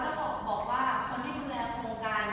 จะบอกว่าคนที่ดูแลโครงการ